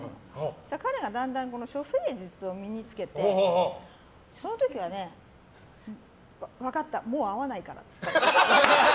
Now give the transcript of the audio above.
彼がだんだん処世術を身に付けてその時は、分かったもう会わないからって言って。